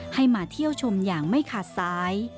ให้มาเที่ยวชมอย่างไม่ขาดซ้าย